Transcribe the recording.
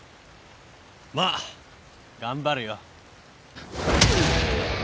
まあ頑張るよ。